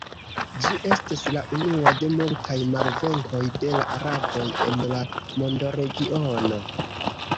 Ĝi estis la unua de multaj malvenkoj de la araboj en la mondoregiono.